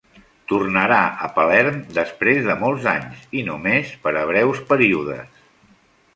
Tornarà a Palerm després de molts anys i només per a breus períodes.